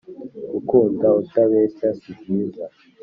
gukunda utabeshya si byiza